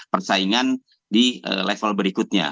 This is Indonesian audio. persaingan di level berikutnya